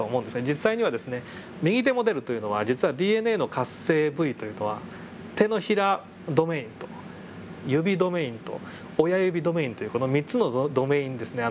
実際にはですね右手モデルというのは実はＤＮＡの活性部位というのは手のひらドメインと指ドメインと親指ドメインというこの３つのドメインですね。